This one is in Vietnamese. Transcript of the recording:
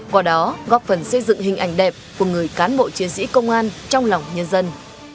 qua đó góp phần xây dựng hình ảnh đẹp của người cán bộ chiến sĩ công an trong lòng nhân dân